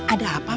ada apa mak